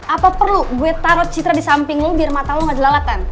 apa perlu gue taruh citra di samping lo biar mata lo gak dilalatan